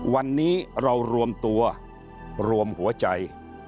วันนี้เรารวมตัวรวมหัวใจ